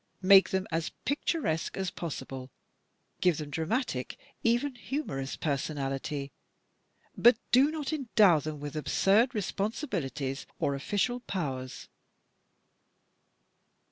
Make them as picturesque as possible; give them dramatic, even humorous personality, but do not endow them with absurd responsibilities or official powers.